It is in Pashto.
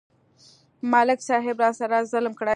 ملک صاحب راسره ظلم کړی.